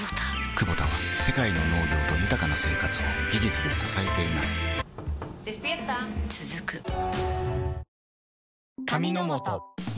クボタは世界の農業と豊かな生活を技術で支えています起きて。